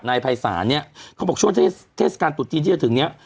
ในภายศาลเนี้ยเขาบอกช่วงเทศเทศกาลตุ๊ดจีนที่จะถึงเนี้ย